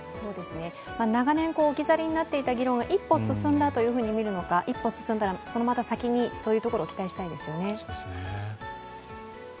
長年、置き去りになっていた議論が一歩進んだと見るのか一歩進んだら、そのまた先にというところを期待したいですよね。